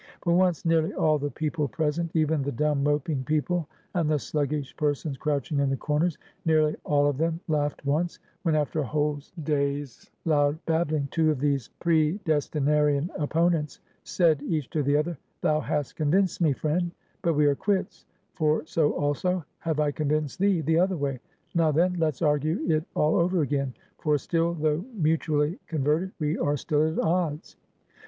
But once nearly all the people present even the dumb moping people, and the sluggish persons crouching in the corners nearly all of them laughed once, when after a whole day's loud babbling, two of these predestinarian opponents, said each to the other 'Thou hast convinced me, friend; but we are quits; for so also, have I convinced thee, the other way; now then, let's argue it all over again; for still, though mutually converted, we are still at odds.'